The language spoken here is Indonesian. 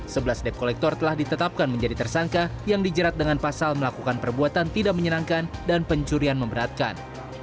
sebelas dep kolektor telah ditetapkan menjadi tersangka yang dijerat dengan pasal melakukan perbuatan tidak menyenangkan dan pencurian memberatkan